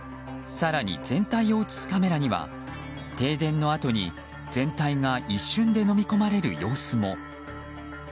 更に全体を映すカメラには停電のあとに全体が一瞬でのみ込まれる様子も。